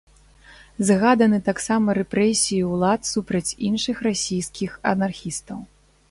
Згаданы таксама рэпрэсіі ўлад супраць іншых расійскіх анархістаў.